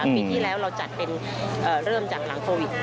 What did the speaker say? ปีที่แล้วเราจัดเป็นเริ่มจากหลังโควิด